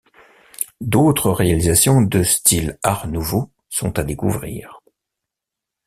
D'autres réalisations de style Art nouveau sont à découvrir.